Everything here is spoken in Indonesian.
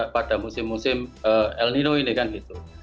pada musim musim el nino ini kan gitu